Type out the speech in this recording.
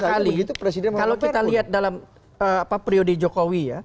beberapa kali kalau kita lihat dalam priode jokowi